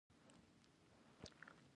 د افغانستان غرور په تاریخ کې دی